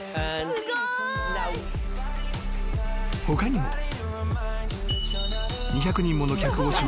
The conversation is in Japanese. ［他にも］